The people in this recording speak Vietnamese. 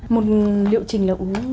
một liệu trình là uống ba ngày